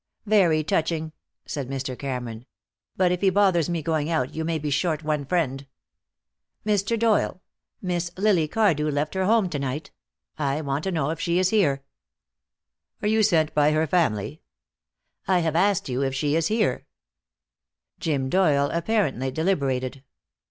"Very touching," said Mr. Cameron, "but if he bothers me going out you may be short one friend. Mr. Doyle, Miss Lily Cardew left her home to night. I want to know if she is here." "Are you sent by her family?" "I have asked you if she is here." Jim Doyle apparently deliberated.